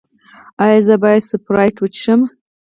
ایا زه باید سپرایټ وڅښم؟